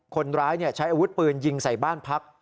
คนร้ายเนี่ยใช้อาวุธปืนยิงใส่บ้านภักรณ์